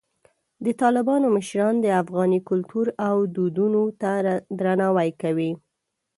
د طالبانو مشران د افغاني کلتور او دودونو ته درناوی کوي.